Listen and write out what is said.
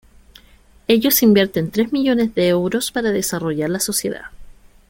Ellos invierten tres millones de euros para desarrollar la sociedad.